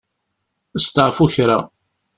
Steɛfu kra.